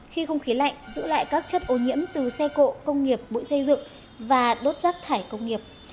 khi không khí lạnh giữ lại các chất ô nhiễm từ xe cộ công nghiệp bụi xây dựng và đốt rác thải công nghiệp